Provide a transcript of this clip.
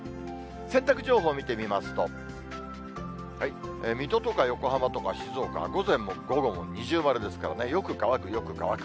洗濯情報見てみますと、水戸とか横浜とか静岡は、午前も午後も二重丸ですからね、よく乾く、よく乾く。